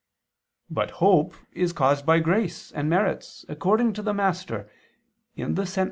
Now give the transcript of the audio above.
But hope is caused by grace and merits, according to the Master (Sent.